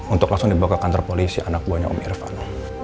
untuk langsung dibawa ke kantor polisi anak buahnya om irfan